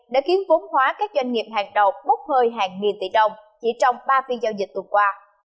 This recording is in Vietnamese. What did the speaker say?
đã khiến vốn hóa các doanh nghiệp hàng đầu bốc hơi hàng nghìn tỷ đồng chỉ trong ba phiên giao dịch tuần qua